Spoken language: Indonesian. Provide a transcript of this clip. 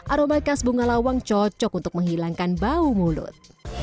aroma khas bunga lawang cocok untuk menghilangkan bau mulut